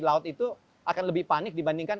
laut itu akan lebih panik dibandingkan